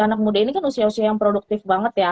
anak muda ini kan usia usia yang produktif banget ya